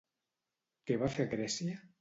Què va fer a Grècia?